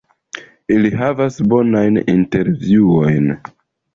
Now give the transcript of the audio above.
Ili havas bonajn intervjuojn.